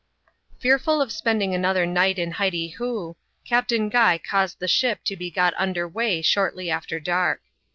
F£AEFT7L of Spending another night in Hytyhoo, Captain Guy caused the ship to he got under way shortly after dark.